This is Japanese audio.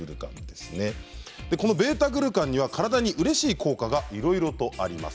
このβ−グルカンには体にうれしい効果がいろいろとあります。